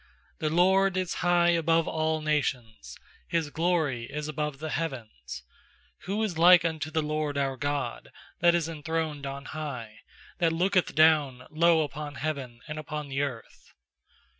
4The LORD is high above all nations, His glory is above the heavens. 5Who is like unto the LORD our God, That is enthroned on high, 6That looketh down low Upon heaven and upon the earth?